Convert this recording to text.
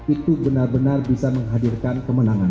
itu benar benar bisa menghadirkan kemenangan